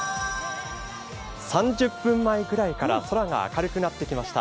３０分前くらいから空が明るくなってきました。